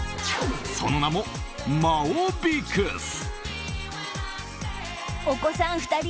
その名もマオビクス。